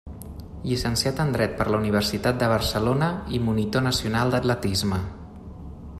Llicenciat en dret per la Universitat de Barcelona i monitor nacional d'atletisme.